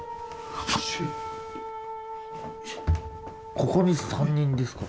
ここに三人ですか？